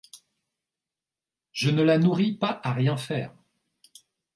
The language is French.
Je ne la nourris pas à rien faire.